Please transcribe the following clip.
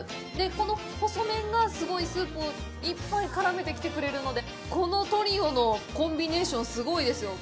この細麺が、すごいスープをいっぱい絡めてきてくれるのでこのトリオのコンビネーションすごいですよ。